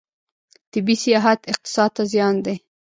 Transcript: طبي سیاحت اقتصاد ته زیان دی.